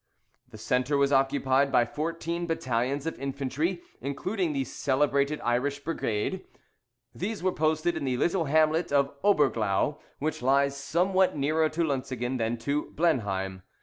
The centre was occupied by fourteen battalions of infantry, including the celebrated Irish Brigade. These were posted in the little hamlet of Oberglau, which lies somewhat nearer to Lutzingen than to Blenheim.